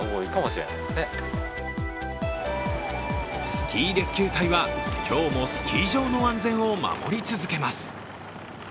スキーレスキュー隊は今日もスキー場の安全を守り続けます。